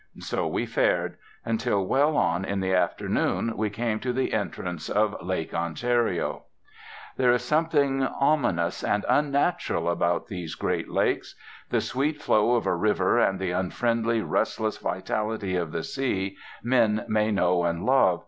So we fared; until, well on in the afternoon, we came to the entrance of Lake Ontario. There is something ominous and unnatural about these great lakes. The sweet flow of a river, and the unfriendly restless vitality of the sea, men may know and love.